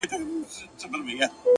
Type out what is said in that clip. نسه ـ نسه يو داسې بله هم سته’